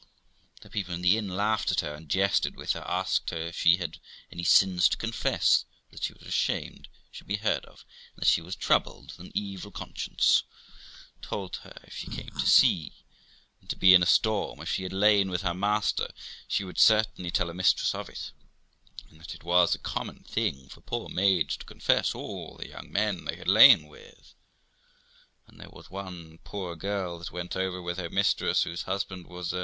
The people in the inn laughed at her, and jested with her, asked her if she had any sins to confess that she was ashamed should be 270 THE LIFE OF ROXANA heard of, and that she was troubled with an evil conscience; told her, if she came to sea, and to be in a storm, if she had lain with her master, she would certainly tell her mistress of it, and that it was a common thing for poor maids to confess all the young men they had lain with; that there was one poor girl that went over with her mistress, whose husband was a